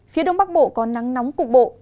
phía đông bắc bộ có nắng nóng cục bộ